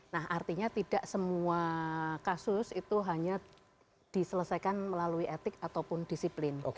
nah artinya tidak semua kasus itu hanya diselesaikan melalui etik ataupun disiplin